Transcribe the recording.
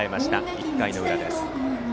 １回の裏です。